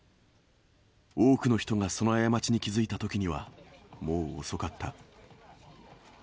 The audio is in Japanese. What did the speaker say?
多くの人がその過ちに気付いたときには、もう遅かった。